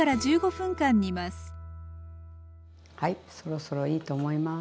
そろそろいいと思います。